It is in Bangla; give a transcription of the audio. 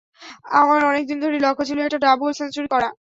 আমার অনেক দিন ধরেই লক্ষ্য ছিল একটা ডাবল সেঞ্চুরি করা।